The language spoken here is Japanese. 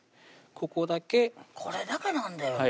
ここだけこれだけなんですよね